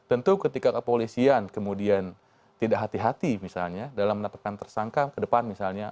tentu ketika kepolisian kemudian tidak hati hati misalnya dalam menetapkan tersangka ke depan misalnya